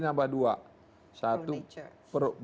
nambah dua pro nature satu